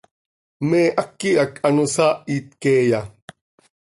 ¿Me háqui hac ano saahit queeya?